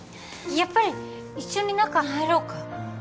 やっぱり一緒に中入ろうか？